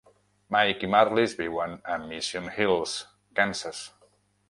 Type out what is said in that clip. Mike i Marlys viuen a Mission Hills, Kansas.